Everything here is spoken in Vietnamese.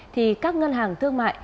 thì các ngân hàng thương mại